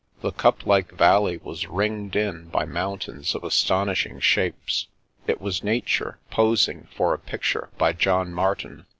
The cup like valley was ringed in by mountains of astonishing shapes ; it was nature pos ing for a picture by John Martin.